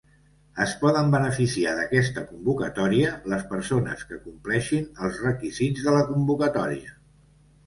Es poden beneficiar d'aquesta convocatòria les persones que compleixin els requisits de la convocatòria.